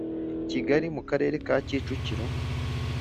Kigali mu karere ka kicukiro